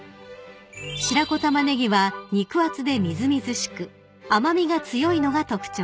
［白子たまねぎは肉厚でみずみずしく甘味が強いのが特徴です］